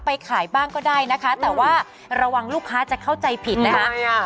ไปขายบ้างก็ได้นะคะแต่ว่าระวังลูกค้าจะเข้าใจผิดนะคะ